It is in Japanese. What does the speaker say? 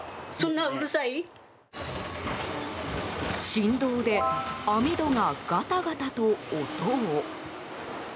振動で網戸がガタガタと音を。